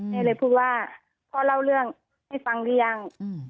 แม่เลยพูดว่าพ่อเล่าเรื่องให้ฟังหรือยัง